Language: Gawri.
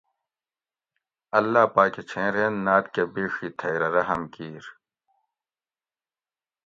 اللّٰہ پاکہ چھیں رین ناۤت کہ بیڛی تھئ رہ رحم کیر